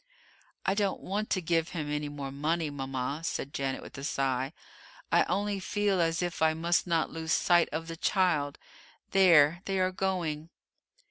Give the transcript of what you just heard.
"I don't want to give him any more money, mama," said Janet, with a sigh. "I only feel as if I must not lose sight of the child there they are going!"